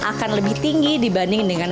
akan lebih tinggi dibanding dengan